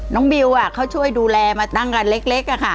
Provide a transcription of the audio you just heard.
น้องบิวอะเขาช่วยดูแลมาตั้งกันเล็กอะค่ะ